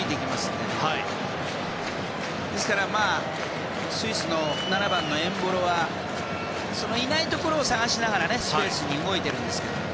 ですからスイスの７番のエンボロはそのいないところを探しながらスペースに動いていますね。